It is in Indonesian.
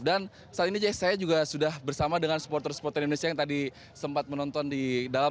dan saat ini saya juga sudah bersama dengan supporter supporter indonesia yang tadi sempat menonton di dalam